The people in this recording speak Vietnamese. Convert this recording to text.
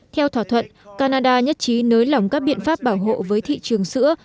theo thỏa thuận canada nhất trí nới lỏng các biện pháp bảo hộ với thị trường sữa